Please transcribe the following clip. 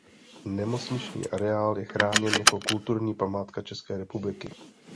Nemocniční areál je chráněn jako kulturní památka České republiky.